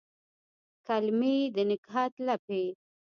کلمې د نګهت لپې